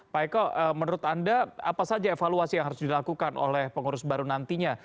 pak eko menurut anda apa saja evaluasi yang harus dilakukan oleh pengurus baru nantinya